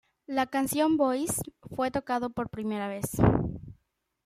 La canción "Boys" fue tocado por primera vez.